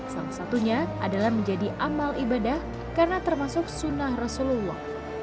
salah satunya adalah menjadi amal ibadah karena termasuk sunnah rasulullah